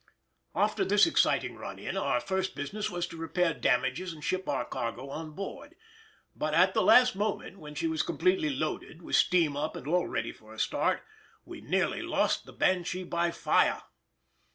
After this exciting run in our first business was to repair damages and ship our cargo on board; but at the last moment, when she was completely loaded, with steam up and all ready for a start, we nearly lost the Banshee by fire.